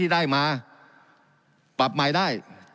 การปรับปรุงทางพื้นฐานสนามบิน